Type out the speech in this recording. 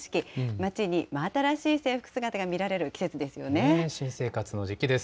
街に真新しい制服姿が見られる季新生活の時期です。